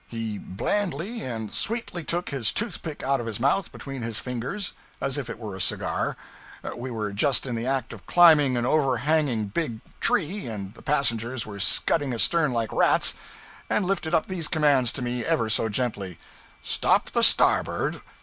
He blandly and sweetly took his tooth pick out of his mouth between his fingers, as if it were a cigar we were just in the act of climbing an overhanging big tree, and the passengers were scudding astern like rats and lifted up these commands to me ever so gently 'Stop the starboard.